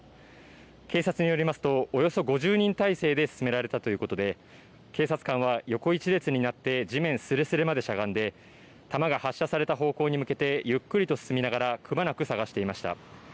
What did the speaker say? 警察によりますと、およそ５０人態勢で進められたということで、警察官は横１列になって地面すれすれまでしゃがんで、弾が発射された方向に向けてゆっくりと進みながら、くまなく探していました。